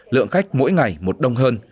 lượng khách mỗi ngày một đông hơn